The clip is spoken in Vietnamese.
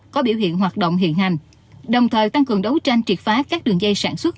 có biểu hiện hoạt động hiện hành đồng thời tăng cường đấu tranh triệt phá các đường dây sản xuất